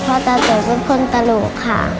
เพราะตาเต๋เป็นคนตลกค่ะ